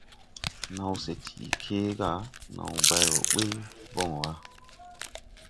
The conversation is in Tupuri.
Naw se ti kęę ga, naw bay wɔɔ ɓuy bon wa.